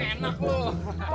emang enak tuh